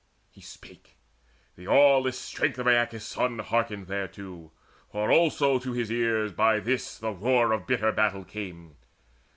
He spake: the aweless strength of Aeacus' son Hearkened thereto, for also to his ears By this the roar of bitter battle came.